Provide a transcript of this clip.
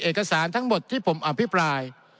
เอกสารทั้งหมดที่ผมอภิปราย